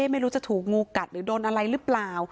ไม่รู้จะถูกงูกัดหรือโดนอะไรหรือเปล่า